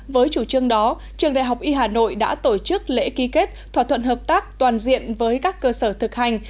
với chủ trương đó trường đại học y hà nội đã tổ chức lễ ký kết thỏa thuận hợp tác toàn diện với các cơ sở thực hành